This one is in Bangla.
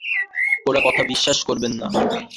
ওর কথা বিশ্বাস করবেন না।